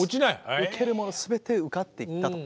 受けるもの全て受かっていったと。